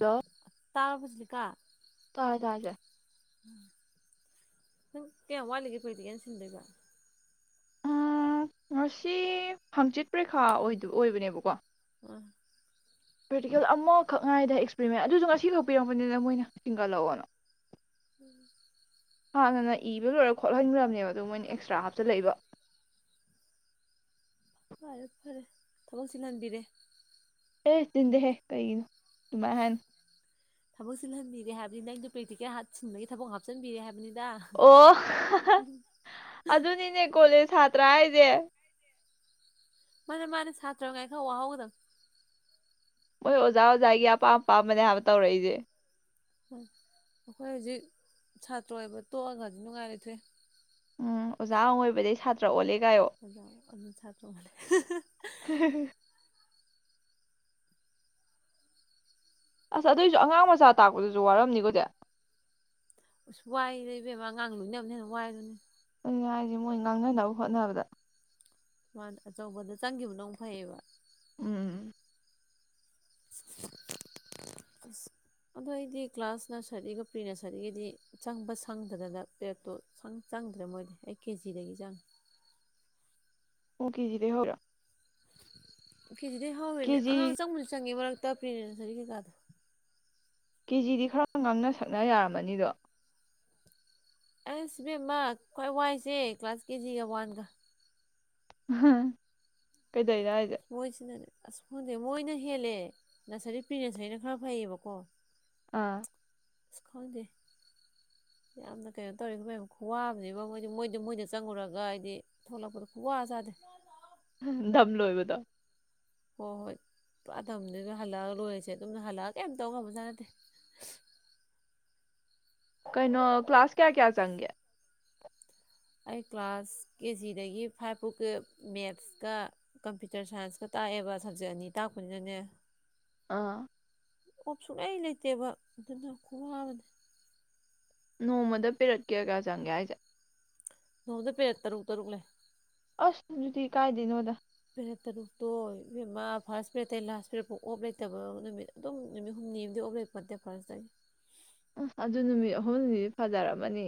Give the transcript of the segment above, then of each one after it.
Hello ꯇꯥꯕꯔꯣ ꯇꯥꯔꯦ ꯇꯥꯔꯦ ꯅꯪ ꯀꯌꯥꯝ ꯋꯥꯠꯂꯤꯒꯦ ꯄ꯭ꯔꯥꯛꯇꯤꯀꯦꯜ ꯁꯤꯟꯗꯣꯏꯕ ꯎꯝ ꯉꯁꯤ ꯍꯪꯆꯤꯠ ꯄ꯭ꯔꯦꯈꯥ ꯑꯣꯏꯕꯅꯦꯕꯀꯣ ꯑ ꯀ꯭ꯔꯦꯇꯤꯀꯦꯜ ꯑꯃꯈꯛ ꯉꯥꯏꯗ ꯑꯦꯛꯁꯄꯔꯤꯃꯦꯟ ꯑꯗꯨꯁꯨ ꯉꯁꯤꯈꯛ ꯄꯤꯔꯛꯄꯅꯤꯅ ꯃꯣꯏꯅ ꯆꯤꯡꯒꯠꯂꯛꯑꯣꯅ ꯎꯝ ꯍꯥꯟꯅꯅ ꯏꯕ ꯂꯣꯏꯔ ꯈꯣꯠꯍꯟꯈ꯭ꯔꯕꯅꯦꯕ ꯑꯗꯨ ꯃꯣꯏꯅ ꯑꯦꯛꯁꯇ꯭ꯔꯥ ꯍꯥꯞꯆꯤꯜ ꯂꯛꯏꯕꯥ ꯐꯔꯦ ꯐꯔꯦ ꯊꯕꯛ ꯆꯤꯜꯍꯟꯕꯤꯔꯦ ꯑꯦ ꯆꯤꯟꯗꯦ ꯍꯦ ꯀꯩ ꯗꯨꯃꯥꯏ ꯍꯥꯏꯅꯣ ꯊꯕꯛ ꯆꯤꯜꯍꯟꯕꯤꯔꯦ ꯍꯥꯏꯕꯅꯤ ꯅꯪꯗꯣ ꯄ꯭ꯔꯦꯛꯇꯤꯀꯦꯜ ꯁꯤꯟꯕꯒꯤ ꯊꯕꯛ ꯍꯥꯞꯆꯤꯟꯕꯤꯔꯦ ꯍꯥꯏꯕꯅꯤꯅ ꯑꯣ ꯑꯗꯨꯅꯤꯅꯦ ꯀꯣꯂꯦꯖ ꯍꯥ ꯁꯥꯇ꯭ꯔꯥ ꯍꯥꯏꯖꯦ ꯃꯥꯅꯦ ꯃꯥꯅꯦ ꯁꯥꯇ꯭ꯔ ꯑꯣꯏꯔꯤꯉꯥꯏ ꯈꯔ ꯋꯥꯍꯧꯒꯗꯕꯅꯦ ꯃꯣꯏ ꯑꯣꯖꯥ ꯑꯣꯖꯥꯒꯤ ꯑꯄꯥꯝ ꯑꯄꯥꯝꯕꯅꯦ ꯍꯥꯏꯕ ꯇꯧꯔꯛꯏꯁꯦ ꯍ ꯑꯩꯈꯣꯏ ꯍꯧꯖꯤꯛ ꯁꯥꯇ꯭ꯔ ꯑꯣꯏꯕ ꯇꯣꯛꯑꯒ ꯅꯨꯡꯉꯥꯏꯅꯥ ꯂꯩꯊꯣꯛꯑ ꯎꯝ ꯑꯣꯖꯥ ꯑꯃ ꯑꯣꯏꯕꯗꯒꯤ ꯁꯥꯇ꯭ꯔꯑꯃꯨꯛ ꯑꯣꯜꯂꯦ ꯀꯥꯏꯌꯣ ꯑꯗꯣ ꯑꯊꯥ ꯇ ꯍꯂꯦ ꯑꯁ ꯑꯗꯨꯑꯣꯏꯁꯨ ꯑꯉꯥꯡ ꯃꯆꯥ ꯇꯥꯛꯄꯗꯨꯁꯨ ꯋꯥꯔꯝꯅꯤꯀꯣꯗꯤ ꯑꯁ ꯋꯥꯏ ꯏꯕꯦꯝꯃꯥ ꯑꯉꯥꯡ ꯂꯣꯏꯅꯕꯅ ꯍꯦꯟꯅ ꯋꯥꯏꯗꯨꯅꯦ ꯑꯗꯨ ꯍꯥꯏꯔꯤꯁꯦ ꯃꯣꯏ ꯉꯥꯡꯅꯅꯕ ꯍꯣꯠꯅꯕꯗ ꯃꯥ ꯑꯆꯧꯕꯗ ꯆꯪꯈꯤꯕꯅꯧ ꯐꯩꯌꯦꯕ ꯎꯝ ꯑꯁ ꯑꯗꯣ ꯑꯩꯗꯤ ꯀ꯭ꯂꯥꯁ ꯅꯔꯁꯔꯤꯒ ꯄ꯭ꯔꯤ ꯅꯔꯁꯔꯤꯒꯗꯤ ꯆꯪꯕ ꯁꯪꯗꯗꯅ ꯄꯦꯔꯠꯇꯣ ꯆꯪꯗ꯭ꯔꯦ ꯃꯣꯏꯗꯤ ꯑꯩ ꯀꯦꯖꯤꯗꯒꯤ ꯆꯪꯉꯦ ꯀꯖꯤ ꯗꯥꯒꯤ ꯍꯧꯔꯤꯔꯥ ꯀꯦꯖꯤꯗꯒꯤ ꯍꯧꯔꯤꯅꯦ ꯑꯉꯥꯡ ꯀꯦꯖꯤ ꯑꯆꯪꯕꯨꯗꯤ ꯆꯪꯉꯦ ꯃꯔꯛ [inaudible] ꯄ꯭ꯔꯤ ꯅꯔꯁꯔꯤ ꯀꯩ ꯀ ꯗꯣ ꯀꯦ ꯖꯤ ꯗꯤ ꯈꯔ ꯉꯥꯡꯅ ꯁꯛꯅ ꯌꯥꯔꯝꯃꯅꯤꯗꯣ ꯑꯩꯁ ꯏꯕꯦꯝꯃꯥ ꯈ꯭ꯋꯥꯏ ꯋꯥꯏꯁꯦ ꯀ꯭ꯂꯥꯁ ꯀꯦ ꯖꯤ ꯒ ꯋꯥꯟꯒ ꯍꯝ ꯀꯩ ꯃꯣꯏꯁꯤꯅꯅꯦ ꯑꯁ ꯈꯪꯗꯦ ꯃꯣꯏꯅ ꯍꯦꯜꯂꯦ ꯅꯔꯁꯔꯤ ꯄ꯭ꯔꯤ ꯅꯔꯁꯔꯤꯅ ꯈꯔ ꯐꯩꯌꯦꯕꯀꯣ ꯑꯥ ꯑꯁ ꯈꯪꯗꯦ ꯌꯥꯝꯅ ꯀꯩꯅꯣ ꯇꯧꯏꯕꯨ ꯀꯩꯅꯣ ꯈꯨꯋꯥꯝꯅꯦꯕꯣ ꯃꯣꯏꯗꯤ ꯃꯣꯏꯗ ꯃꯣꯏꯗ ꯆꯪꯉꯨꯔꯒ ꯍꯥꯏꯕꯗꯤ ꯊꯣꯛꯂꯛꯄꯗ ꯈꯨꯋꯥ ꯆꯥꯗꯦ ꯗꯝ ꯂꯣꯏꯕꯗꯣ ꯍꯣꯏ ꯍꯣꯏ ꯄꯨꯔꯥ ꯗꯝꯅꯤꯗ ꯍꯜꯂꯛꯑꯒ ꯂꯣꯏꯔꯤꯁꯦ ꯑꯗꯨꯅ ꯍꯜꯂꯛꯑꯒ ꯀꯩꯝ ꯇꯧꯉꯝꯕ ꯖꯥꯠ ꯅꯠꯇꯦ ꯀꯩꯅꯣ ꯀ꯭ꯂꯥꯁ ꯀꯌꯥ ꯀꯌꯥ ꯆꯪꯒꯦ ꯑꯩ ꯀ꯭ꯂꯥꯁ ꯀꯦ ꯖꯤ ꯗꯒꯤ ꯐꯥꯏꯚ ꯐꯥꯎꯀꯤ ꯃꯦꯠꯁꯀ ꯀꯝꯄ꯭ꯌꯨꯇꯔ ꯁꯥꯏꯟꯁꯀ ꯇꯥꯛꯑꯦꯕ ꯁꯕꯖꯦꯛ ꯑꯅꯤ ꯇꯥꯛꯄꯅꯤꯅꯅꯦ ꯑꯥ ꯑꯣꯞ ꯁꯨꯛꯂꯩ ꯂꯩꯇꯦꯕ ꯑꯗꯨꯅ ꯈꯨꯋꯥꯃꯅꯦ ꯅꯣꯡꯃꯗ ꯄꯦꯔꯠ ꯀꯌꯥ ꯆꯪꯒꯦ ꯍꯥꯏꯁꯦ ꯅꯣꯡꯃꯥꯗ ꯄꯦꯔꯠ ꯇꯔꯨꯛ ꯇꯔꯨꯛ ꯂꯩ ꯑꯁ ꯑꯗꯨꯗꯤ ꯀꯥꯏꯗꯅꯣꯗ ꯄꯔꯦꯠ ꯇꯔꯨꯛꯇꯣ ꯏꯕꯦꯃꯥ ꯐꯥꯔꯁ ꯄꯦꯔꯠꯇꯩ ꯂꯥꯁ ꯄꯦꯔꯦꯠꯐꯥꯎ ꯑꯣꯐ ꯂꯩꯇꯕ ꯅꯨꯃꯤꯠ ꯑꯗꯨꯝ ꯅꯨꯃꯤꯠ ꯍꯨꯝꯅꯤ ꯑꯃꯗꯤ ꯑꯣꯐ ꯂꯩꯄꯣꯠꯇꯦ ꯅꯠꯇꯦ ꯐꯥꯔꯁꯇꯇꯩ ꯑ ꯑꯗꯨ ꯅꯨꯃꯤꯠ ꯑꯍꯨꯝꯅꯤꯗꯤ ꯐꯖꯔꯝꯃꯅꯤ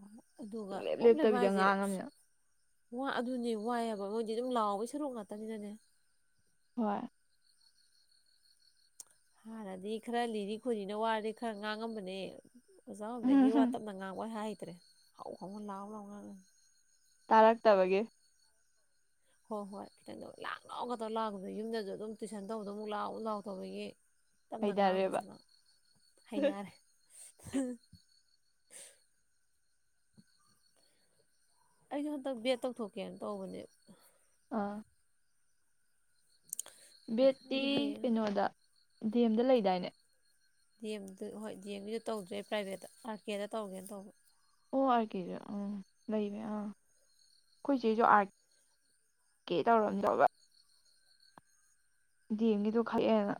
ꯑꯣ ꯑꯗꯨꯒ ꯁꯨꯡꯂꯦꯞ ꯑꯣꯞꯂꯩꯕ ꯂꯦꯞꯇꯕꯤꯗ ꯍꯥꯏꯁꯦ ꯉꯥꯡꯉꯝꯅꯤꯅ ꯋꯥ ꯑꯗꯨꯅꯦ ꯋꯥꯏꯑꯕ ꯃꯣꯏꯗꯤ ꯑꯗꯨꯝ ꯂꯥꯎꯕꯩ ꯁꯔꯨꯛ ꯉꯥꯛꯇꯅꯤꯅꯅꯦ ꯍꯣꯏ ꯍꯥꯟꯅꯗꯤ ꯈꯔ ꯂꯤꯔꯤ ꯈꯣꯏꯔꯤꯅ ꯋꯥꯔꯗꯤ ꯈꯔ ꯉꯥꯡꯉꯝꯕꯅꯦ ꯑꯣꯖꯥ ꯑꯣꯏꯕꯗꯒꯤ ꯋꯥ ꯇꯞꯅ ꯉꯥꯡꯕꯣꯏ ꯍꯥꯏ ꯐꯗ꯭ꯔꯦ ꯍꯧ ꯍꯧꯅ ꯂꯥꯎ ꯂꯥꯑꯣꯅ ꯉꯥꯡꯉꯦ꯫ ꯇꯥꯔꯛꯇꯕꯒꯤ ꯍꯣꯏ ꯍꯣꯏ ꯈꯤꯇꯪ ꯂꯥꯛ ꯂꯥꯡꯅꯣ ꯇꯧ ꯂꯥꯛꯄꯗ ꯌꯨꯝꯗꯁꯨ ꯑꯗꯨꯝ ꯇꯨꯏꯁꯟ ꯇꯧꯕꯗꯣ ꯑꯃꯨꯛ ꯂꯥꯎꯑꯣ ꯂꯥꯎ ꯇꯧꯕꯒꯤ ꯇꯞꯅ ꯍꯩꯅꯔꯦꯕ ꯉꯥꯡꯕꯗꯨꯁꯨ ꯍꯩꯅꯔꯦ ꯑ ꯑꯩꯁꯨ ꯍꯟꯗꯛ ꯕꯦꯠ ꯇꯧꯊꯣꯛꯀꯦꯅ ꯇꯧꯕꯅꯦ ꯑ ꯕꯦꯠꯇꯤ ꯑꯩꯁꯨ ꯍꯌꯦꯡ ꯀꯩꯅꯣꯗ ꯗꯦꯝꯗ ꯂꯩꯗꯥꯏꯅꯦ ꯗꯦꯝꯗꯨ ꯍꯣꯏ ꯗꯤ ꯑꯦꯝꯒꯤꯗꯨ ꯇꯧꯗ꯭ꯔꯦ ꯄ꯭ꯔꯥꯏꯚꯦꯠꯇ ꯑꯥꯔ ꯀꯦꯗ ꯇꯧꯒꯦꯅ ꯇꯧꯕ ꯑꯣ ꯑꯥꯔ ꯀꯦꯁꯨ ꯑꯥ ꯂꯩꯕ ꯑꯥ ꯑꯩꯈꯣꯏ ꯆꯦꯁꯨ ꯑꯥꯔ ꯀꯦ ꯇꯧꯔꯝꯗꯧꯕ ꯗꯦꯝꯒꯤꯗꯨꯣ ꯈꯛꯑꯦꯅ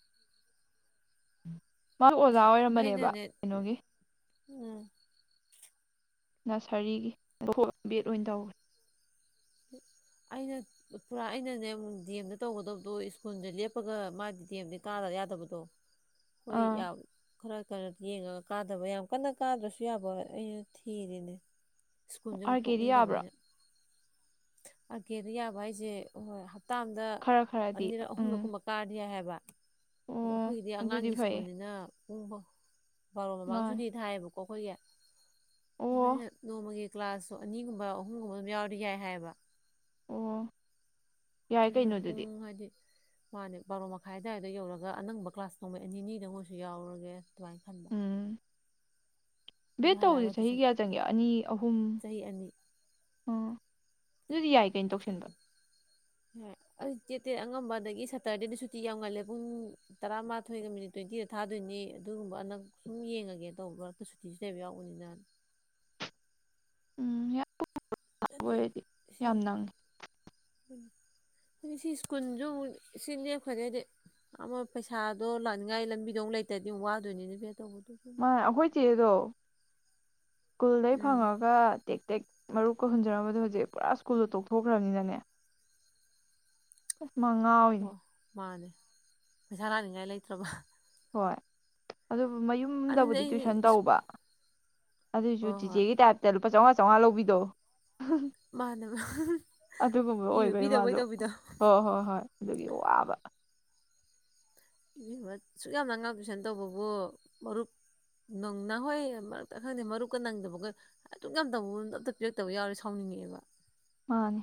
ꯎꯝ ꯃꯥ ꯑꯣꯖꯥ ꯑꯣꯏꯔꯝꯕꯅꯦꯕ ꯑꯩꯅꯅꯦ ꯀꯩꯅꯣꯒꯤ ꯎꯝ ꯅꯁꯔꯤꯒꯤ ꯕꯦꯠ ꯑꯣꯏꯅ ꯇꯧꯒꯔꯦ ꯑꯩꯅ ꯄꯨꯔꯥ ꯑꯩꯅꯅꯦ ꯗꯤ ꯑꯦꯝꯗ ꯇꯧꯒꯗꯕꯗꯣ ꯁ꯭ꯀꯨꯜꯗ ꯂꯦꯞꯄꯒ ꯃꯥꯗꯤ ꯗꯤ ꯑꯦꯝꯗꯤ ꯀ ꯗ ꯌꯥꯗꯕꯗꯣ ꯍꯣꯏ ꯑꯥ ꯌꯥ ꯈꯔ ꯈꯔ ꯌꯦꯡꯉꯒ ꯀꯥꯗꯕ ꯌꯥꯝ ꯀꯟꯅ ꯀꯥꯗ꯭ꯔꯁꯨ ꯌꯥꯕ ꯑꯩꯅ ꯊꯤꯔꯤꯅꯦ ꯁ꯭ꯀꯨꯜꯁꯦ ꯑꯃꯨꯛ ꯑꯥꯔ ꯀꯦꯗꯤ ꯇꯣꯛꯅꯤꯡꯗꯕ ꯌꯥꯕ꯭ꯔꯣ ꯑꯩꯅ ꯑꯥꯔ ꯀꯦꯗꯤ ꯌꯥꯕꯥ ꯍꯥꯢꯁꯦ ꯍꯇꯥꯝꯗ ꯈꯔ ꯈꯔꯗꯤ ꯑꯅꯤꯔꯛ ꯎꯝ ꯑꯍꯨꯝꯂꯛ ꯀꯨꯝꯕ ꯀꯥꯔꯗꯤ ꯍꯥꯏꯕ ꯋꯥ ꯑꯣ ꯑꯗꯣ ꯑꯩꯈꯣꯏꯒꯤꯗꯤ ꯑꯗꯨꯗꯤ ꯑꯉꯥꯡꯒꯤ ꯐꯩꯌꯦ ꯁ꯭ꯀꯨꯜꯅꯤꯅ ꯎꯕ ꯕꯥꯔꯣ ꯃꯃꯥꯡ ꯃꯥꯅꯦ ꯁꯨꯇꯤ ꯊꯥꯏꯑꯦꯕꯀꯣ ꯀꯣ ꯈꯣꯏꯒꯤ ꯑꯣ ꯑꯩꯅ ꯅꯣꯡꯃꯒꯤ ꯀ꯭ꯂꯥꯁꯁꯨ ꯑꯅꯤꯒꯨꯝꯕ ꯑꯍꯨꯝꯒꯨꯝꯕ ꯑꯗꯨꯝ ꯌꯥꯎꯔꯗꯤ ꯌꯥꯏ ꯍꯥꯏꯕ ꯑꯣ ꯌꯥꯏ ꯑꯗꯨꯅ ꯀꯩꯅꯣ ꯑꯗꯨꯗꯤ ꯄꯨꯡ ꯍꯥꯏꯗꯤ ꯃꯥꯅꯦ ꯕꯥꯔꯣ ꯃꯈꯥꯏ ꯑꯗꯨꯋꯥꯏꯗ ꯌꯧꯔꯒ ꯑꯅꯪꯕ ꯀ꯭ꯂꯥꯁ ꯃꯤꯅꯠ ꯑꯅꯤꯅꯤꯗ ꯑꯣꯏꯁꯨ ꯌꯥꯎꯔꯒꯦ ꯑꯗꯨꯃꯥꯏ ꯈꯟꯕꯥ ꯚꯦꯠ ꯇꯧꯕꯗꯤ ꯆꯍꯤ ꯀꯌꯥ ꯆꯪꯒꯦ ꯑꯅꯤ ꯑꯍꯨꯝ ꯆꯍꯤ ꯑꯅꯤ ꯑ ꯑꯗꯨꯗꯤ ꯌꯥꯏ ꯀꯩꯅꯣ ꯇꯧꯁꯤꯟꯕ ꯍꯣꯏ ꯑꯩ ꯇꯦꯠ ꯇꯦꯠ ꯑꯉꯝꯕ ꯑꯗꯒꯤ ꯁꯇꯔꯗꯦꯗ ꯁꯨꯇꯤ ꯌꯥꯝ ꯉꯜꯂꯦ ꯄꯨꯡ ꯇꯔꯥꯃꯥꯊꯣꯏꯒ ꯃꯤꯅꯤꯠ ꯇ꯭ꯋꯦꯟꯇꯤꯗ ꯊꯥꯗꯣꯏꯅꯤ ꯑꯗꯨꯒꯨꯝꯕ ꯑꯅ ꯁꯨꯝ ꯌꯦꯡꯉꯒꯦ ꯇꯧꯕ ꯃꯔꯛꯇ ꯁꯨꯇꯤꯁꯨ ꯂꯩꯕ ꯌꯥꯎꯕꯅꯤꯅ ꯎꯝ ꯌꯥ ꯑꯗꯨꯗꯤ ꯑꯣꯏꯔꯗꯤ ꯌꯥꯝ ꯅꯪꯉꯤ ꯍꯥꯏꯗꯤ ꯁꯤ ꯁ꯭ꯀꯨꯜꯁꯨ ꯁꯤ ꯅꯦꯛꯈꯔꯦꯗꯤ ꯑꯃ ꯄꯩꯁꯥꯗꯣ ꯂꯥꯛꯅꯤꯡꯉꯥꯏ ꯂꯝꯕꯤꯗꯣ ꯂꯩꯇ꯭ꯔꯗꯤ ꯋꯥꯗꯣꯏꯅꯤꯅꯦ ꯕꯦꯗ ꯇꯧꯕꯗꯣ ꯁꯨꯝ ꯃꯥ ꯑꯩꯈꯣꯏ ꯆꯦꯗꯣ ꯁ꯭ꯀꯨꯜꯗꯩ ꯎꯝ ꯐꯪꯉꯒ ꯇꯦꯛ ꯇꯦꯛ ꯃꯔꯨꯞꯀ ꯍꯨꯟꯖꯔꯝꯕꯗꯣ ꯍꯧꯖꯤꯛ ꯄꯨꯔꯥ ꯁ꯭ꯀꯨꯜꯗꯣ ꯇꯣꯛꯊꯣꯛꯈ꯭ꯔꯕꯅꯤꯅꯅꯦ ꯑꯁ ꯃꯥ ꯉꯥꯎꯔꯤꯅꯤ ꯑꯣ ꯃꯥꯅꯦ ꯄꯩꯁꯥ ꯂꯥꯛꯅꯤꯡꯉꯥꯏ ꯂꯩꯇ꯭ꯔꯕ ꯍꯣꯏ ꯑꯗꯨ ꯑꯗꯨꯅꯦ ꯃꯌꯨꯝꯗꯕꯨꯗꯤ ꯑꯩꯗꯤ ꯇꯨꯋꯏꯁꯟ ꯇꯧꯕ ꯑꯗꯨꯏꯁꯨ ꯍꯣꯏ ꯍꯣꯏ ꯆꯤꯆꯦꯒꯤ ꯇꯥꯏꯞꯇ ꯂꯨꯄꯥ ꯆꯝꯃꯉꯥ ꯆꯝꯃꯉꯥ ꯂꯧꯕꯤꯗꯣ ꯃꯥꯅꯦ ꯑꯗꯨꯒꯨꯝꯕ ꯄꯤꯕꯣꯏ ꯑꯣꯏꯕꯩ ꯄꯤꯗꯕꯣꯏ ꯃꯥꯁꯨ ꯇꯧꯕꯤꯗꯣ ꯍꯣꯏ ꯍꯣꯏ ꯍꯣꯏ ꯑꯗꯨꯒꯤ ꯋꯥꯕ ꯁꯨꯛ ꯌꯥꯝ ꯑꯉꯥꯡ ꯇꯨꯏꯁꯟ ꯇꯧꯕꯕꯨ ꯃꯔꯨꯞ ꯅꯪꯅ ꯍꯣꯏ ꯃꯔꯛꯇ ꯈꯪꯗꯦ ꯃꯔꯨꯞꯀ ꯅꯪꯗꯕꯈꯣꯏ ꯑꯗꯨꯛ ꯌꯥꯝ ꯇꯧꯕ ꯑꯝꯇ ꯄꯤꯔꯛꯇꯕ ꯌꯥꯎꯔꯦ ꯁꯥꯎꯅꯤꯡꯉꯛꯑꯦꯕ ꯃꯥꯟꯅꯦ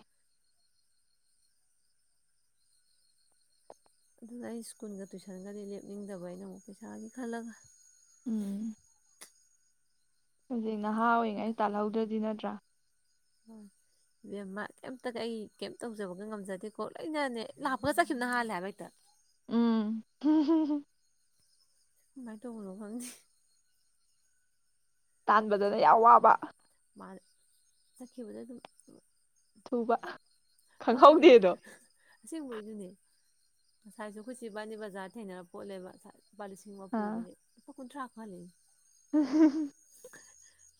ꯑꯗꯨꯗ ꯑꯩ ꯁ꯭ꯀꯨꯜꯒ ꯇꯨꯏꯁꯟꯒꯗꯤ ꯂꯦꯞꯅꯤꯡꯗꯕ ꯑꯩꯅ ꯑꯃꯨꯛ ꯄꯩꯁꯥꯒꯤ ꯈꯜꯂꯒ ꯎꯝ ꯍꯧꯖꯤꯛ ꯅꯍꯥ ꯑꯣꯏꯔꯤꯉꯩ ꯇꯥꯜꯍꯧꯗ꯭ꯔꯗꯤ ꯅꯠꯇ꯭ꯔꯥ ꯏꯕꯦꯝꯃꯥ ꯀꯩꯝꯇꯅꯦ ꯑꯩ ꯀꯔꯤꯝ ꯇꯧꯖꯕꯒ ꯉꯝꯖꯗꯦꯀꯣ ꯂꯣꯏꯅꯅꯦ ꯂꯥꯛꯄꯒ ꯆꯠꯈꯤꯕꯅ ꯍꯥꯜꯂꯦ ꯍꯥꯏꯕ ꯍꯦꯛꯇ ꯎꯝ ꯀꯃꯥꯏꯇꯧꯕꯅꯣ ꯈꯪꯗꯦ ꯇꯥꯟꯕꯗꯅ ꯌꯥꯝ ꯑꯋꯥꯕ ꯃꯥ ꯆꯠꯈꯤꯕꯗ ꯑꯗꯨꯝ ꯊꯨꯕ ꯃꯥꯅꯤ ꯈꯪꯍꯧꯗꯦꯗꯣ ꯑꯁꯤꯦꯡꯕꯒꯤꯗꯨꯅꯦ ꯉꯁꯥꯏꯁꯨ ꯀꯣꯏꯆꯤꯕꯥꯅꯤ ꯕꯖꯥꯔ ꯊꯦꯡꯅꯔ ꯄꯣꯠꯂꯦꯕ ꯂꯨꯄꯥ ꯂꯤꯁꯤꯡ ꯑꯃ ꯑꯥ ꯄꯨꯕꯅꯦ ꯀꯨꯊ꯭ꯔꯥ ꯈꯛ ꯍꯜꯂꯛꯑꯦ [unintelligible]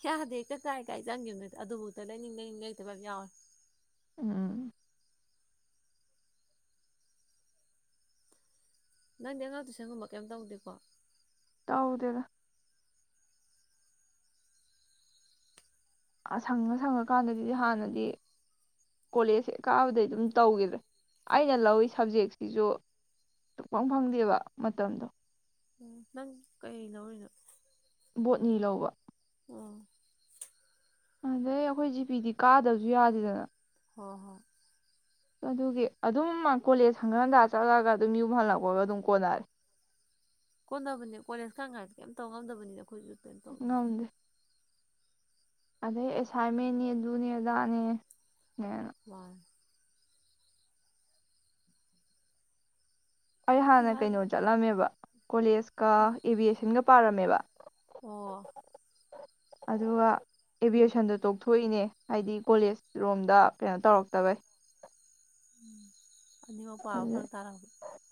ꯌꯥꯗꯤ ꯍꯦꯛꯇ ꯆꯥꯏ ꯀꯥꯏ ꯆꯪꯈꯤꯕꯅꯠꯇ ꯑꯗꯨꯕꯨꯥꯎꯛꯇ ꯂꯩꯅꯤꯡ ꯂꯩꯅꯤꯡ ꯂꯩꯇꯕ ꯌꯥꯝ ꯌꯥꯎꯋꯦ ꯎꯝ ꯎꯝ ꯅꯪꯗꯤ ꯑꯉꯥꯡ ꯇꯨꯏꯁꯟꯒꯨꯝꯕ ꯀꯩꯝ ꯇꯧꯗꯦꯀꯣ ꯍꯥꯎꯗꯦꯗ ꯁꯪꯉ ꯁꯪꯉꯀꯥꯟꯗꯗꯤꯗꯤ ꯍꯥꯟꯅꯗꯤ ꯀꯣꯂꯦꯖꯁꯦ ꯀꯥꯕꯗꯩ ꯑꯗꯨꯝ ꯇꯧꯈꯤꯗ꯭ꯔꯦ ꯑꯩꯅ ꯂꯧꯋ ꯁꯕꯖꯦꯛꯁꯤꯁꯨ ꯐꯪ ꯐꯪꯗꯦꯕ ꯃꯇꯝꯗꯣ ꯑꯣ ꯅꯪ ꯀꯩ ꯂꯧꯔꯤꯅꯣ ꯕꯣꯠꯅꯤ ꯂꯧꯕ ꯑꯣ ꯑꯗꯩ ꯑꯩꯈꯣꯏ ꯖꯤ ꯄꯤꯗꯤ ꯀꯥꯗꯕꯁꯨ ꯌꯥꯗꯦꯗꯅ ꯍꯣꯏ ꯍꯣꯏ ꯑꯗꯨꯒꯤ ꯑꯗꯨꯝ ꯀꯣꯂꯦꯖ ꯍꯪꯒꯥꯟꯗ ꯆꯠꯂꯒ ꯑꯗꯨꯝ ꯌꯨꯝ ꯍꯜꯂꯛꯄꯒ ꯑꯗꯨꯝ ꯀꯣꯟꯅꯔꯦ ꯀꯣꯟꯗꯕꯅꯤ ꯀꯣꯂꯦꯖꯀ ꯀꯥꯁꯦ ꯀꯩꯝ ꯇꯧ ꯉꯝꯗꯕꯅꯤ ꯑꯩꯈꯣꯏꯁꯨ ꯀꯩꯝ ꯇꯧꯗꯦ ꯉꯝꯗꯦ ꯑꯗꯩ ꯑꯦꯁꯥꯏꯟꯃꯦꯟꯅꯤ ꯑꯗꯨꯅꯦ ꯑꯗꯥꯅꯦ ꯃꯥꯅꯦ ꯑꯩ ꯑꯩꯈꯣꯏꯁꯨ ꯍꯥꯟꯅ ꯍꯥꯏꯕ ꯀꯩꯅꯣ ꯆꯠꯂꯝꯃꯦꯕ ꯀꯣꯂꯦꯖꯀ ꯎꯝ ꯑꯦꯕꯤꯌꯦꯁꯟꯒ ꯄꯥꯔꯝꯃꯦꯕ ꯑꯣ ꯑꯗꯨꯒ ꯑꯦꯚꯌꯦꯁꯟꯗꯣ ꯇꯣꯛꯊꯣꯛꯏꯅꯦ ꯍꯥꯏꯗꯤ ꯀꯣꯂꯦꯖ ꯔꯣꯝꯗ ꯀꯩꯅꯣ ꯇꯧꯔꯛꯇꯕꯩ ꯎꯝ ꯑꯅꯤ ꯃꯄꯥꯕ ꯑꯗꯨ ꯐꯛ ꯇꯥꯔꯛꯑꯕ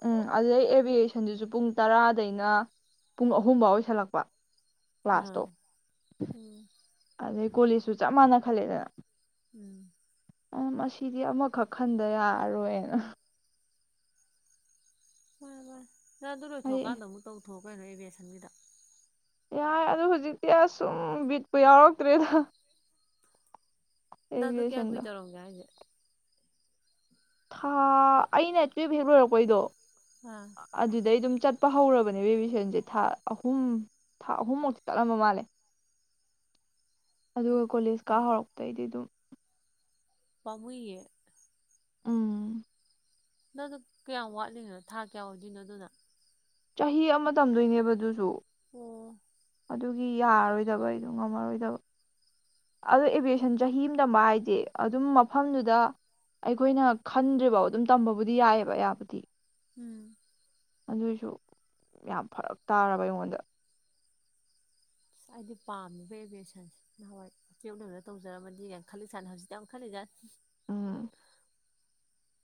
ꯎꯝ ꯑꯗꯨꯗꯩ ꯑꯦꯚꯌꯦꯁꯟꯗꯨꯁꯨ ꯄꯨꯡ ꯇꯔꯥꯗꯩꯅ ꯄꯨꯡ ꯑꯍꯨꯝꯐꯥꯎ ꯑꯣꯏꯁꯜꯂꯛꯄ ꯀ꯭ꯂꯥꯁ ꯑꯥ ꯇꯣ ꯎꯝ ꯑ ꯀꯣꯂꯤꯖꯁꯨ ꯆꯞ ꯃꯥꯟꯅ ꯈꯜꯂꯦꯗꯅ ꯎꯝ ꯑꯁꯤꯗꯤ ꯑꯃꯈꯛ ꯈꯟꯗ ꯌꯥꯔꯣꯏꯅ ꯃꯥꯅꯦ ꯃꯥꯅꯦ ꯅꯪ ꯑꯗꯨ ꯊꯣꯛ ꯀꯥꯟꯗ ꯑꯩ ꯀꯥꯏꯗ ꯑꯃꯨꯛꯇꯧ ꯇꯧꯊꯣꯛꯑꯣ ꯀꯩꯅꯣ ꯑꯦꯕꯁꯟꯒꯤꯗ ꯌꯥꯏ ꯑꯗꯨ ꯍꯧꯖꯤꯛꯇꯤ ꯑꯁ ꯁꯨꯝ ꯕꯤꯠꯄꯨ ꯌꯥꯎꯔꯛꯇ꯭ꯔꯦꯗ ꯅꯪꯥꯗꯨ ꯀꯌꯥ ꯑꯦꯚꯤꯌꯦꯁꯟꯗꯣ ꯀꯨꯏ ꯇꯧꯔꯝꯒꯦ ꯍꯥꯏꯖꯦ ꯊ ꯑꯩꯅ ꯇꯨꯋꯦꯞ ꯍꯦꯛ ꯑꯣꯏꯔꯛ ꯑꯩꯈꯣꯏꯗꯣ ꯑꯥ ꯑꯗꯨꯗꯩ ꯑꯗꯨꯝ ꯆꯠꯄ ꯍꯧꯔꯕꯅꯦ ꯕꯦꯕꯤ ꯁꯦꯁꯟꯁꯦ ꯊꯥ ꯑꯍꯨꯝ ꯊꯥ ꯑꯍꯨꯝꯃꯨꯛꯇꯤ ꯆꯠꯂꯝꯕ ꯃꯥꯜꯂꯦ ꯑꯗꯨꯒ ꯀꯣꯂꯦꯖ ꯀꯥ ꯍꯧꯔꯛꯄꯩꯗꯤ ꯑꯗꯨꯝ ꯄꯥꯃꯨꯏꯌꯦ ꯎꯝ ꯅꯪꯗ ꯀꯌꯥꯝ ꯋꯥꯠꯂꯤꯅꯣꯅꯣ ꯊꯥ ꯀꯌꯥ ꯑꯣꯏꯗꯣꯏꯅꯣ ꯑꯗꯨꯅ ꯆꯍꯤ ꯑꯃ ꯇꯝꯗꯣꯏꯅꯦꯕ ꯑꯗꯨꯁꯨ ꯑꯣ ꯑꯗꯨꯒꯤ ꯌꯥꯔꯔꯣꯏꯗꯕ ꯑꯩꯗꯣ ꯉꯝꯃꯔꯣꯏꯗꯕ ꯑꯗꯣ ꯑꯦꯚꯌꯦꯁꯟ ꯆꯍꯤ ꯑꯃ ꯇꯝꯕ ꯍꯥꯏꯗꯤꯦ ꯑꯗꯨꯝ ꯃꯐꯝꯗꯨꯗ ꯑꯩꯈꯣꯏꯅ ꯈꯟꯗ꯭ꯔꯤꯐꯧ ꯑꯗꯨꯝ ꯇꯝꯕꯕꯨꯗꯤ ꯌꯥꯏꯑꯕ ꯑꯌꯥꯕꯨꯗꯤ ꯎꯝ ꯑꯗꯨꯏꯁꯨ ꯌꯥꯝ ꯐꯔꯛ ꯇꯥꯔꯕ ꯑꯩꯉꯣꯟꯗ ꯍꯥꯏꯗꯤ ꯄꯥꯝꯃꯤꯕ ꯑꯦꯚꯁꯟꯁꯦ ꯅꯍꯥꯟꯋꯥꯏ ꯑꯦꯛꯅꯅ ꯇꯧꯖꯔꯝꯃꯗꯤ ꯌꯥꯝꯅ ꯈꯠꯜꯂꯤ ꯁ ꯁꯥꯥꯟꯅ ꯍꯧꯖꯤꯛꯇ ꯌꯥꯝ ꯈꯜꯂꯤꯖꯠ ꯎꯝ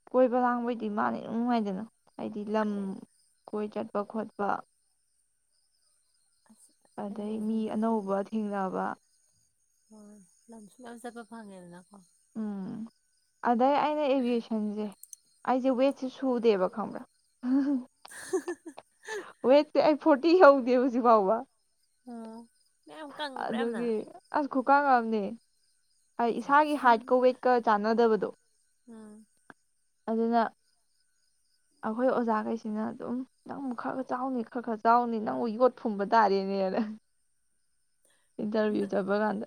ꯀꯣꯏꯕ ꯂꯥꯡꯕꯩꯗꯤ ꯃꯥꯅꯤ ꯅꯨꯡꯉꯥꯏꯗꯅ ꯍꯥꯏꯗꯤ ꯂꯝ ꯃꯥꯟꯅꯦ ꯀꯣꯏ ꯆꯠ ꯆꯠꯄ ꯈꯣꯠꯄ ꯑꯁ ꯑꯩ ꯑꯗꯩ ꯍꯧꯖꯤꯛ ꯃꯤ ꯁꯨꯝ ꯑꯅꯧꯕ ꯊꯦꯡꯅꯕ ꯍꯣꯏ ꯂꯝꯁꯨ ꯃꯌꯥꯝ ꯆꯠꯄ ꯐꯪꯉꯦꯗꯅꯀꯣ ꯎꯝ ꯑꯗꯩ ꯑꯩꯅ ꯑꯦꯚꯌꯦꯁꯟꯁꯦ ꯑꯩꯖꯦ ꯑꯣꯏꯋꯁꯦ ꯁꯨꯗꯦꯕ ꯈꯪ ꯑꯕꯔ ꯋꯦꯠ ꯐꯣꯔꯇꯤ ꯍꯧꯗꯦ ꯍꯧꯖꯤꯛꯐꯥꯎꯕ ꯑꯣ ꯃꯌꯥꯝ ꯀꯪꯉꯕ꯭ꯔꯥ ꯌꯥꯝꯅ ꯑꯗꯨꯒꯤ ꯈꯨꯀꯥꯡꯑꯝꯅꯦ ꯑꯩ ꯑꯠꯆꯥ ꯏꯁꯥꯒꯤ ꯍꯥꯏꯠꯀ ꯋꯦꯠꯀ ꯆꯥꯟꯅꯗꯕꯗ [inaudible] ꯎꯝ ꯑꯗꯨꯅ ꯑꯩꯈꯣꯏ ꯑꯣꯖꯥꯈꯩꯁꯤꯅ ꯑꯗꯨꯝ ꯅꯪꯕꯨꯛ ꯈꯔ ꯈꯔ ꯆꯥꯎꯅꯤ ꯈꯔ ꯈꯔ ꯆꯥꯎꯅꯤ ꯅꯪꯕꯨ ꯌꯣꯠ ꯐꯨꯝꯕ ꯇꯥꯔꯦꯅꯦꯅ ꯅ ꯏꯟꯇꯔꯚꯤꯌꯨ ꯆꯠꯄ ꯀꯥꯟꯗ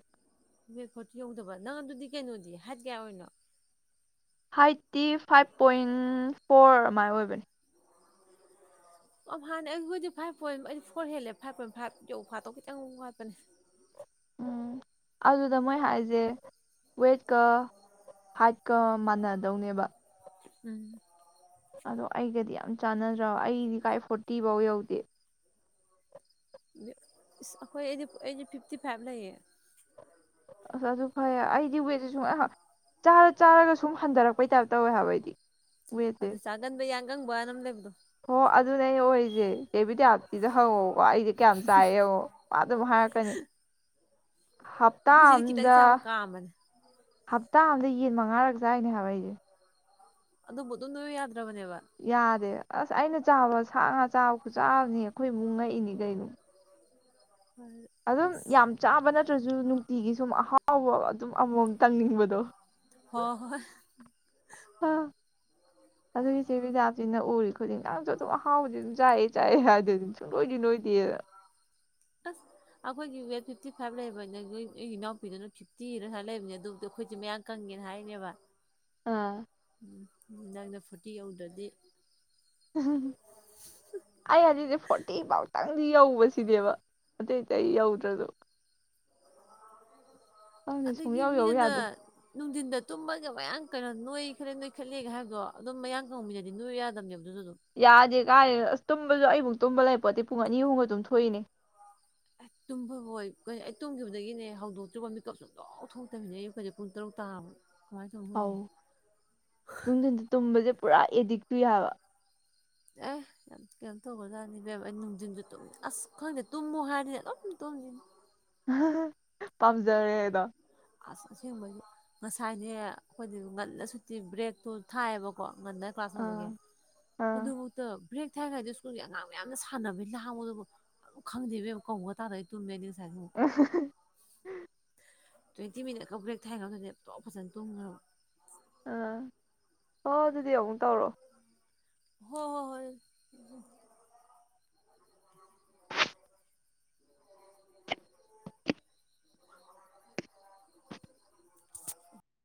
ꯃꯈꯣ ꯆꯤ ꯌꯗꯕ ꯅꯪ ꯑꯗꯨꯗꯨꯗꯤ ꯀꯩꯅꯣꯗꯤ ꯍꯥꯠ ꯀꯌꯥ ꯑꯣꯏꯅꯣ ꯍꯥꯏꯠꯇꯤ ꯐꯥꯏꯚ ꯄꯣꯏꯟ ꯐꯣꯔ ꯑꯗꯨꯥꯏ ꯑꯣꯏꯕꯅꯤ ꯌꯥꯝ ꯍꯥꯟꯅ ꯑꯩꯕꯨꯣꯏꯗꯤ ꯐꯥꯏꯚ ꯄꯣꯏꯟ ꯑꯩꯗꯤ ꯐꯣꯔ ꯍꯦꯜꯂꯦ ꯐꯥꯏꯚ ꯄꯣꯏꯟ ꯐꯥꯏꯚ ꯌ ꯐꯥꯠꯇꯣ ꯈꯤꯇꯪ ꯋꯥꯠꯄꯅꯦ ꯎꯝ ꯑꯗꯨꯗ ꯃꯣꯏ ꯍꯥꯏꯁꯦ ꯋꯦꯠꯀ ꯍꯥꯏꯠꯀ ꯃꯥꯟꯅꯗꯧꯅꯦꯕ ꯎꯝ ꯑꯗꯣ ꯑꯩꯒꯗꯤ ꯌꯥꯝ ꯆꯥꯟꯅꯗ꯭ꯔꯣ ꯑꯩꯗꯤ ꯀꯥꯏ ꯐꯣꯔꯇꯤꯐꯧ ꯌꯧꯗꯦ ꯑꯩꯈꯣꯏ ꯑꯩꯗꯤ ꯑꯩꯗꯤ ꯐꯤꯐꯇꯤ ꯐꯥꯏꯚ ꯂꯩꯌꯦ ꯁꯤ ꯁꯨꯝ ꯆꯥꯔ ꯆꯥꯔꯒ ꯁꯨꯝ ꯍꯟꯊꯔꯛꯄꯩ ꯇꯥꯏꯞ ꯇꯧꯋꯦ ꯍꯥꯏꯕ ꯑꯩꯗꯤ ꯋꯦꯠꯁꯦ ꯑꯗꯨ ꯆꯒꯟ ꯌꯥ ꯅꯪꯕ ꯅꯝ ꯂꯩꯕꯗꯣ ꯍꯣ ꯑꯗꯨꯅꯦ ꯑꯩ ꯑꯣꯏꯔꯤꯁꯦ ꯌꯦꯕꯤꯗ ꯑꯞꯇꯤꯗ ꯍꯧꯛꯑꯣ ꯀ ꯑꯩꯗꯤ ꯀꯌꯥꯝ ꯆꯥꯏꯑ ꯑꯗꯨꯝ ꯍꯥꯏꯔꯛꯀꯅꯤ ꯍꯞꯇꯥ ꯑꯩꯈꯣꯏꯁꯤꯗꯤ ꯈꯤꯇꯪ ꯆꯥꯕ ꯑꯝꯗꯞ ꯀꯥꯝꯕꯅꯦ ꯍꯞꯇꯥ ꯑꯝꯗ ꯌꯦꯟ ꯃꯉꯥꯔꯛ ꯆꯥꯏꯅꯦ ꯍꯥꯏꯕ ꯑꯩꯁꯦ ꯑꯗꯨꯗ ꯃꯗꯨ ꯌꯥ ꯌꯥꯔꯦ ꯑꯁ ꯑꯩꯅ ꯆꯥꯎꯥꯕ ꯁꯥ ꯉꯥ ꯆꯥꯕ ꯆꯥꯕꯅꯤ ꯑꯩꯈꯣꯏ ꯏꯃꯨꯛ ꯉꯛꯏꯅꯤ ꯀꯩꯅꯣ ꯑꯗꯨꯝ ꯑꯁ ꯌꯥꯝ ꯆꯥꯕ ꯅꯠꯇ꯭ꯔꯁꯨ ꯁꯨ ꯅꯨꯡꯇꯤꯒꯤ ꯁꯨꯝ ꯑꯍꯥꯎꯕ ꯑꯗꯨꯝ ꯑꯃꯃꯝ ꯇꯪꯅꯤꯡꯕꯗꯣ ꯍꯣꯏ ꯍꯣꯏ ꯑ ꯑꯗꯨ ꯏꯆꯦꯕꯤꯗꯥꯞꯁꯤꯅ ꯎꯔꯤ ꯈꯨꯗꯤꯡ ꯅꯪꯁꯨ ꯑꯗꯨꯝ ꯑꯍꯥꯎꯕꯗꯤ ꯑꯗꯨꯝ ꯆꯥꯛꯑꯦ ꯆꯥꯛꯑꯦ ꯍꯥꯏꯗꯤ ꯑꯗꯨꯝ ꯁꯨꯡꯂꯣꯏꯗꯤ ꯂꯣꯏꯗꯦꯗ ꯑꯁ ꯑꯩꯈꯣꯏꯒꯤ ꯋꯦꯠ ꯐꯤꯐꯇꯤ ꯐꯥꯏꯚ ꯂꯩꯕ ꯑꯩꯒꯤ ꯏꯅꯥꯎꯄꯤꯗꯨꯅ ꯐꯤꯐꯇꯤꯅ ꯁꯨꯃꯥꯏ ꯂꯩꯕꯅꯤ ꯑꯗꯨꯕꯨꯗꯤ ꯑꯩꯈꯣꯏꯁꯦ ꯃꯌꯥꯝ ꯀꯪꯒꯦꯅ ꯍꯥꯏꯅꯦꯕ ꯑꯥ ꯅꯪꯅ ꯐꯣꯔꯇꯤ ꯌꯧꯗ꯭ꯔꯗꯤ ꯑꯩ ꯍꯧꯖꯤꯗꯤ ꯐꯣꯔꯇꯤ ꯄꯥꯎ ꯇ ꯅꯪꯗꯤ ꯌꯧꯕꯁꯤꯅꯦꯕ ꯑꯇꯩ ꯑꯇꯩ ꯌꯧꯗ꯭ꯔꯁꯨꯣ ꯑꯗꯨꯪꯗꯤ ꯁꯨꯡ ꯑꯗꯒꯤ ꯌꯥꯎ ꯌꯥꯎ ꯃꯤꯅꯅ ꯌꯥꯗ꯭ꯔꯦ ꯅꯨꯡꯊꯤꯟꯗ ꯇꯨꯝꯃꯒ ꯃꯌꯥꯌꯥꯝ ꯀꯩꯅꯣ ꯅꯣꯏ ꯈꯠꯂꯦ ꯅꯣꯏ ꯈꯠꯂꯦꯒ ꯍꯥꯏꯕꯗꯣ ꯑꯗꯨꯝ ꯃꯌꯥ ꯀꯪꯉꯝꯃꯤꯔꯗꯤ ꯅꯣꯏ ꯌꯥꯗꯕꯅꯦꯕꯣ ꯌꯥꯗꯦ ꯀꯥꯥꯏ ꯑꯁ ꯇꯨꯝꯕꯁꯨ ꯑꯩꯃꯨꯛ ꯇꯨꯝꯕ ꯂꯩ ꯄꯣꯠꯇꯤ ꯄꯨꯡ ꯑꯅꯤ ꯑꯍꯨꯝꯒ ꯑꯗꯨꯝ ꯊꯣꯛꯏꯅꯦ ꯑꯩ ꯇꯨꯝꯕ ꯍꯣꯏ ꯑꯩ ꯇꯨꯝꯈꯤꯕꯗꯒꯤꯅꯦ ꯍꯧꯗꯣꯛꯇ꯭ꯔꯤꯕ ꯃꯤꯦꯀꯞ ꯁ ꯂ ꯂꯧ ꯊꯣꯛꯣꯛꯇꯃꯤꯅꯦ ꯑꯌꯨꯛ ꯈꯗꯤꯛ ꯄꯨꯡ ꯇꯔꯨꯛ ꯇꯥꯕ ꯑꯥꯎ ꯅꯨꯡꯊꯤꯜ ꯇꯨꯝꯕꯁꯦ ꯄꯨꯔꯥ ꯑꯦꯗꯤꯛꯇꯛꯇꯨ ꯌꯥꯕ ꯑꯦ ꯌꯥꯝ ꯀꯩꯅꯣ ꯇꯧꯒꯖꯥꯅꯤ ꯕꯦꯝꯕ ꯑꯩ ꯅꯨꯡꯊꯤꯟꯁꯨ ꯇꯨꯝ ꯑꯁ ꯈꯪꯗꯦ ꯇꯨꯝꯃꯨ ꯍꯥꯏꯔꯤꯅꯦ ꯂꯣꯏ ꯇꯨꯝꯁꯤꯅꯤ ꯄꯥꯝꯖꯔꯦꯗ ꯑꯁ ꯑꯁꯦꯡꯕꯁꯦ ꯉꯁꯥꯏꯅꯦ ꯑꯩꯈꯣꯏꯗꯤ ꯉꯜꯂ ꯁꯨꯠꯇꯤ ꯕ꯭ꯔꯦꯛꯇꯣ ꯊꯥꯏꯌꯦꯕꯀꯣ ꯃꯟꯗ ꯀ꯭ꯂꯥꯁ ꯍꯧꯕꯒꯤ ꯑꯥ ꯑꯥ ꯑꯗꯨꯐꯨꯛꯇ ꯕ꯭ꯔꯦꯛ ꯏꯊꯥꯏ ꯀꯥꯏꯗ ꯁ꯭ꯀꯨꯜꯒꯤ ꯑꯉꯥꯡ ꯃꯌꯥꯝꯅ ꯁꯥꯟꯅꯕꯩ ꯂꯍꯥꯡꯕꯗꯨꯕꯨ ꯑꯗꯨꯝ ꯈꯪꯗꯦꯕꯕ ꯀꯧꯒ ꯇꯥꯔꯗꯤ ꯇꯨꯝꯃꯦ ꯉꯁꯥꯏꯁꯨ ꯑ ꯇ꯭ꯋꯦꯟꯇꯤ ꯃꯤꯅꯠꯀ ꯕ꯭ꯔꯦꯛ ꯊꯥꯏꯈ꯭ꯔꯗꯅꯦꯦꯞꯇꯣꯞ ꯐꯖꯅ ꯇꯨꯝꯈ꯭ꯔꯕ ꯑꯣ ꯑꯗꯨꯗꯤ ꯑꯃꯨꯛ ꯇꯧꯔꯣ ꯍꯣꯏ ꯍꯣꯏ ꯍꯣꯏ [inaudible]